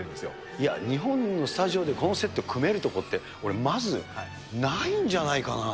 いや、日本のスタジオでこのセット組めるとこって、これ、まずないんじ